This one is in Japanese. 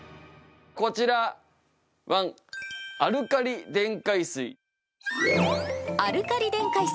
こちらは、アルカリ電解水。